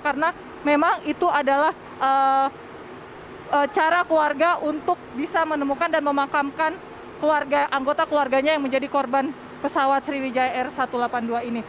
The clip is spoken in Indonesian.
karena memang itu adalah cara keluarga untuk bisa menemukan dan memakamkan anggota keluarganya yang menjadi korban pesawat sriwijaya r satu ratus delapan puluh dua ini